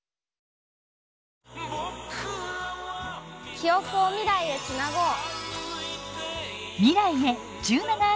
記憶を未来へつなごう。